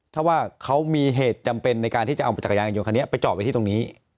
ถ้าว่าเขามีเหตุจำเป็นในการที่จะเอาจักรยานยนคันนี้ไปจอดไว้ที่ตรงนี้